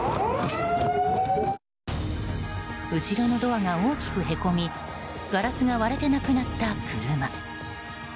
後ろのドアが大きくへこみガラスが割れてなくなった車。